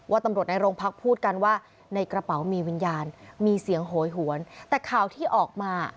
ตำรวจในโรงพักพูดกันว่าในกระเป๋ามีวิญญาณมีเสียงโหยหวนแต่ข่าวที่ออกมา